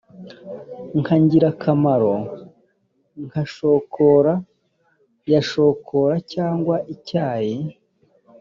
nka ngirakamaro nka shokora ya shokora (cyangwa icyayi)